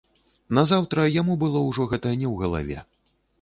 Назаўтра яму было ўжо гэта не ў галаве.